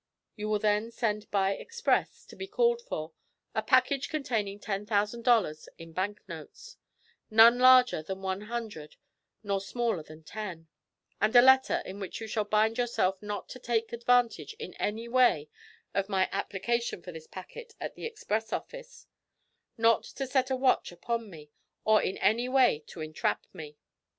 You will then send by express, to be called for, a package containing ten thousand dollars in bank notes none larger than one hundred nor smaller than ten and a letter in which you shall bind yourself not to take advantage in any way of my application for this packet at the express office; not to set a watch upon me, or in any way attempt to entrap me.